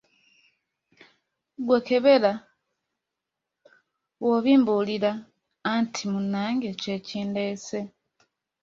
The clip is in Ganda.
Ggwe kebera bw’obimbuulira anti munnange kye kindeese.